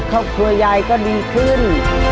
ครอบครัวยายก็ดีขึ้น